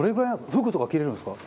フグとか切れるんですか？